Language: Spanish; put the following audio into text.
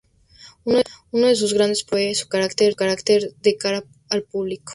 Uno de sus grandes problemas fue su carácter de cara al público.